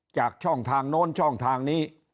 จากช่องทางโน้นช่องทางนี้